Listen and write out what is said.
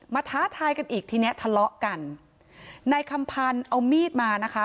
ท้าทายกันอีกทีเนี้ยทะเลาะกันนายคำพันธ์เอามีดมานะคะ